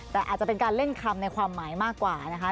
แต่อาจจะเป็นการเล่นคำในความหมายมากกว่านะคะ